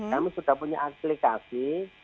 kami sudah punya aplikasi